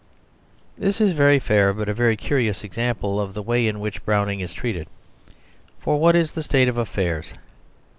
This is a very fair but a very curious example of the way in which Browning is treated. For what is the state of affairs?